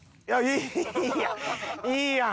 いいやんいいやん！